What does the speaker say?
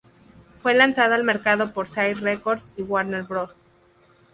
Fue lanzado al mercado por Sire Records y Warner Bros.